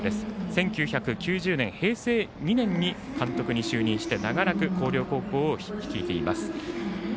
１９９０年、平成２年に監督に就任して長らく広陵高校を率いています。